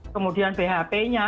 kemudian bhp nya